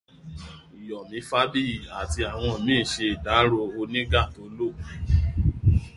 Yọ̀mí Fábíyìí àti àwọn míì ṣè ìdárò Onígà tó lọ